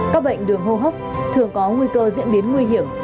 các bệnh đường hô hấp thường có nguy cơ diễn biến nguy hiểm